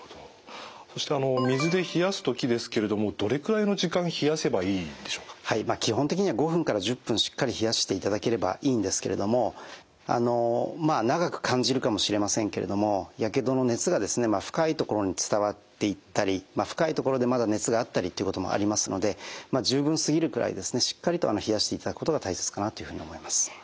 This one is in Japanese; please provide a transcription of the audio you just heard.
そして水で冷やす時ですけれどもはい基本的には５分から１０分しっかり冷やしていただければいいんですけれども長く感じるかもしれませんけれどもやけどの熱がですね深いところに伝わっていったり深いところでまだ熱があったりということもありますのでまあ十分すぎるくらいですねしっかりと冷やしていただくことが大切かなというふうに思います。